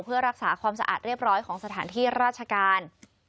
เพื่อรักษาความสะอาดเรียบร้อยของสถานที่ราชการ